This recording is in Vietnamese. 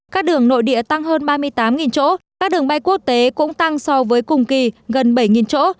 các đường nội địa tăng hơn ba mươi tám chỗ các đường bay quốc tế cũng tăng so với cùng kỳ gần bảy chỗ